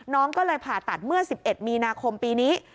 น้องก็เลยผ่าตัดเมื่อ๑๑มีนาคมปีนี้